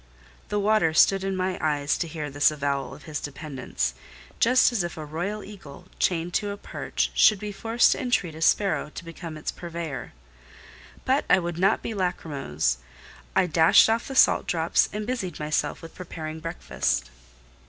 The water stood in my eyes to hear this avowal of his dependence; just as if a royal eagle, chained to a perch, should be forced to entreat a sparrow to become its purveyor. But I would not be lachrymose: I dashed off the salt drops, and busied myself with preparing breakfast.